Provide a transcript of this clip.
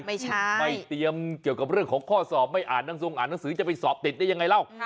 ไม่ใช่ไม่เตรียมเกี่ยวกับเรื่องของข้อสอบไม่อ่านหนังสืออ่านหนังสือจะไปสอบติดได้ยังไงเล่า